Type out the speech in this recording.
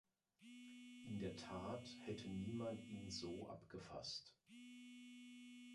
In der Tat hätte niemand ihn so abgefasst.